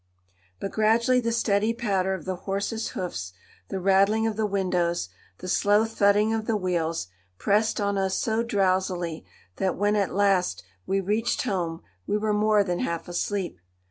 But gradually the steady patter of the horse's hoofs, the rattling of the windows, the slow thudding of the wheels, pressed on us so drowsily that when, at last, we reached home we were more than half asleep.